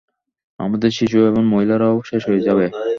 আমাদের শিশু এবং মহিলারাও শেষ হয়ে যাবে।